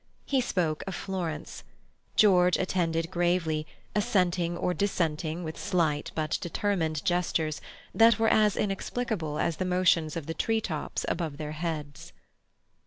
He spoke of Florence. George attended gravely, assenting or dissenting with slight but determined gestures that were as inexplicable as the motions of the tree tops above their heads.